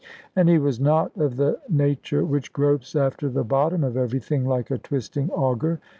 And he was not of the nature which gropes after the bottom of everything, like a twisting augur.